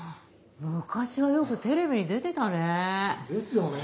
昔はよくテレビに出てたね。ですよね。